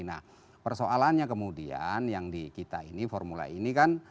nah persoalannya kemudian yang di kita ini formula e ini kan